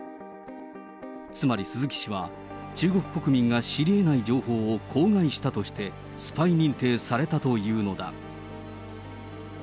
つまり鈴木氏は、中国国民が知りえない情報を口外したとして、スパイ認定されたというのだ。